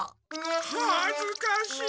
はずかしい！